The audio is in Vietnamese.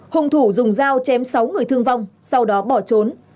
hùng thủ dùng dao chém sáu người thương vong sau đó bỏ trốn